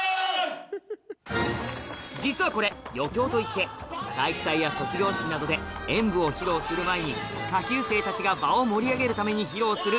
実はこれ余興といって体育祭や卒業式などで演舞を披露する前に下級生たちが場を盛り上げるために披露する